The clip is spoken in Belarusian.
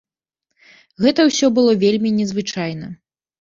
Гэта ўсё было вельмі не звычайна.